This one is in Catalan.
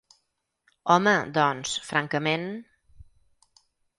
Home, doncs, francament...